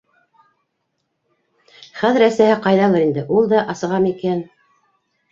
Хәҙер әсәһе ҡайҙалыр инде, ул да асығамы икән.